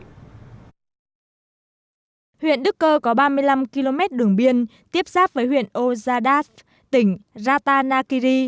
huyện đức cơ có ba mươi năm km đường biên tiếp sát với huyện ozaadath tỉnh ratanakiri